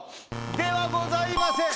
ではございません。